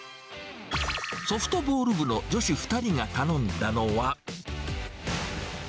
ソフトボール部の女子２人が頼んだのは。